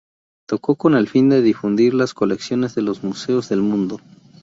Todo con el fin de difundir las colecciones de los museos del mundo.